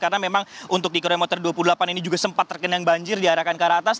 karena memang untuk di kilometer dua puluh delapan ini juga sempat terkenang banjir di arahkan ke atas